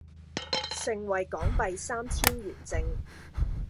盛惠港幣三千圓正